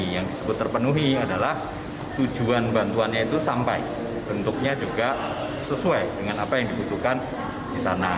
yang disebut terpenuhi adalah tujuan bantuannya itu sampai bentuknya juga sesuai dengan apa yang dibutuhkan di sana